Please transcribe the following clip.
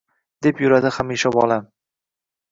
Deb yuradi hamisha bolam